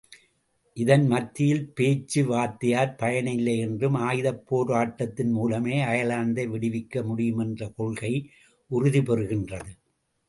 இதன் மத்தியில் பேச்சு வார்த்தையாற் பயனில்லையென்றும் ஆயுதப் போராட்டத்தின் மூலமே அயர்லாந்தை விடுவிக்க முடியுமென்ற கொள்கை உறுதிபெறுகின்றது.